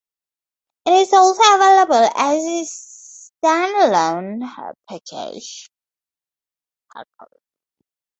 It is also available as a standalone package.